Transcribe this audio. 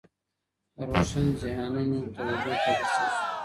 د روشن ذهنانو توجه د تغییر سبب ګرځي.